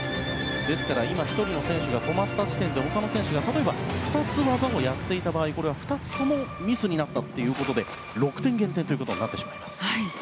ですから今、１人の選手が止まった時点で他の選手が２つ、技をやっていた場合、これは２つともミスになったということで６点減点となります。